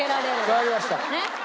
わかりました。